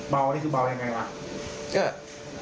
เบานี่คือเบาอย่างไรล่ะ